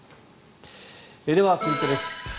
では、続いてです。